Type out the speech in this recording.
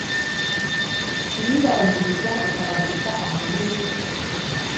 Iyibanziriza ukaba uva ahanini